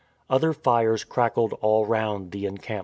Other fires crackled all round the encampment.